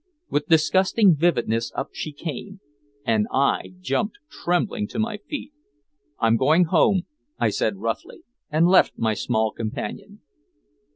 With disgusting vividness up she came! And I jumped trembling to my feet. "I'm going home," I said roughly, and left my small companion.